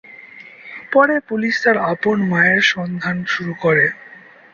পরে, পুলিশ তার আপন মায়ের সন্ধান শুরু করে।